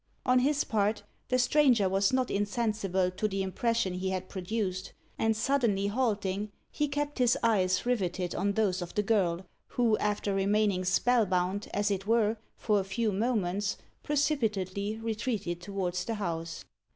On his part, the stranger was not insensible to the impression he had produced, and suddenly halting, he kept his eyes riveted on those of the girl, who, after remaining spell bound, as it were, for a few moments, precipitately retreated towards the house.